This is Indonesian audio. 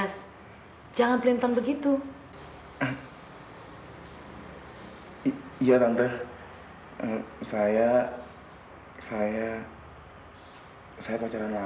sampai jumpa di video selanjutnya